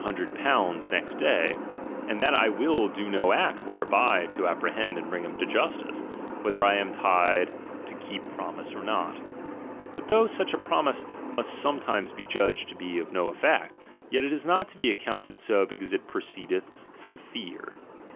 next day, vXriniiieiitawaiid that I will do no act whereby to apprehend Dfuuiiirr , and bring him to justice: whether I am tied to keep promise or not. But though such a promise must sometimes be judged to be of no effect, yet it is not to be accounted so because it proceedeth from fear.